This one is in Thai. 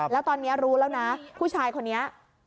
แล้วตอนนี้รู้แล้วนะผู้ชายคนนี้